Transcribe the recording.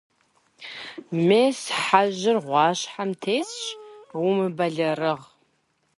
Мес, хьэжьыр гъуащхьэм тесщ, умыбэлэрыгъ.